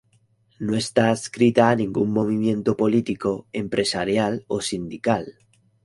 No está adscrita a ningún movimiento político, empresarial o sindical.